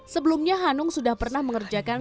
sebelumnya hanung sudah pernah mengerjakan